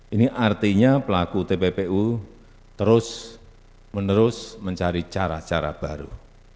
ini artinya pelaku tppu terus menerus mencari cara cara baru